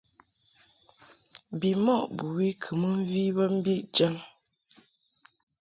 Bimɔʼ bɨwi kɨ mɨ mvi bə mbi jaŋ.